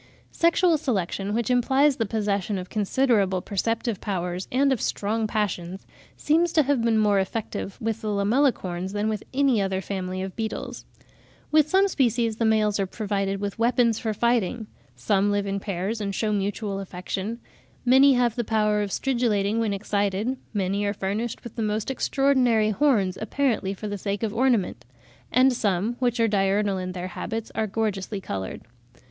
Sexual selection, which implies the possession of considerable perceptive powers and of strong passions, seems to have been more effective with the Lamellicorns than with any other family of beetles. With some species the males are provided with weapons for fighting; some live in pairs and shew mutual affection; many have the power of stridulating when excited; many are furnished with the most extraordinary horns, apparently for the sake of ornament; and some, which are diurnal in their habits, are gorgeously coloured.